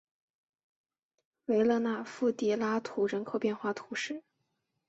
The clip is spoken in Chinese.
维勒纳夫迪拉图人口变化图示